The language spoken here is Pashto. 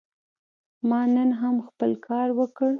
ما نن هم خپل کار وکړ.